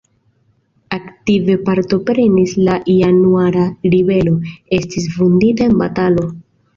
Aktive partoprenis en Januara ribelo, estis vundita en batalo.